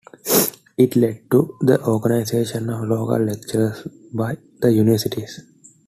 It led to the organisation of local lectures by the universities.